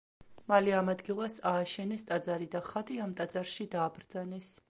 მალე ამ ადგილას ააშენეს ტაძარი და ხატი ამ ტაძარში დააბრძანეს.